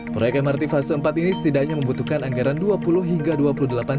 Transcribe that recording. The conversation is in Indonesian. proyek mrt fase empat ini setidaknya membutuhkan anggaran dua puluh hingga rp dua puluh delapan persen